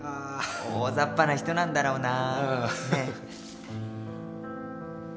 大ざっぱな人なんだろうな。